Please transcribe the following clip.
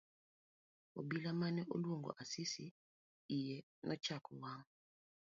Obila mane oluongo Asisi iye nochako wang'.